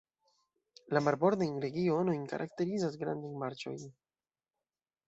La marbordajn regionojn karakterizas grandaj marĉoj.